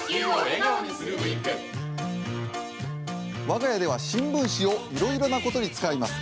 我が家では新聞紙をいろいろなことに使います。